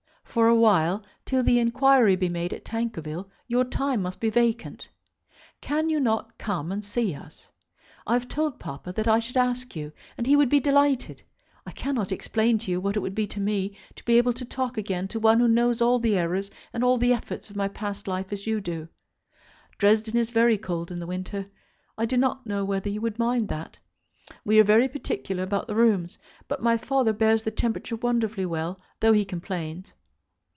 For a while, till the inquiry be made at Tankerville, your time must be vacant. Cannot you come and see us? I have told Papa that I should ask you, and he would be delighted. I cannot explain to you what it would be to me to be able to talk again to one who knows all the errors and all the efforts of my past life as you do. Dresden is very cold in the winter. I do not know whether you would mind that. We are very particular about the rooms, but my father bears the temperature wonderfully well, though he complains.